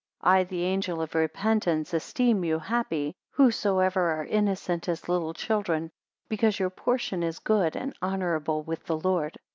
263 I the angel of repentance esteem you happy, whosoever are innocent as little children, because your portion is good and honourable with the Lord.